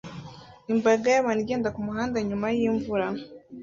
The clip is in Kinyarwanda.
Imbaga y'abantu igenda kumuhanda nyuma yimvura